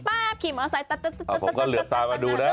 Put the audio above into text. ผมก็เหลือตามมาดูนะ